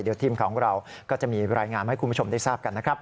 เดี๋ยวทีมข่าวของเราก็จะมีรายงานให้คุณผู้ชมได้ทราบกันนะครับ